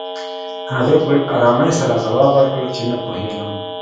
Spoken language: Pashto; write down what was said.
هغې په ارامۍ سره ځواب ورکړ چې نه پوهېږم